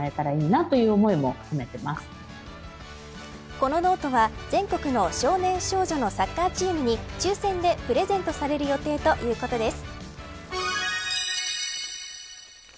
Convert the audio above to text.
このノートは全国の少年少女のサッカーチームに抽選でプレゼントされる予定とのことです。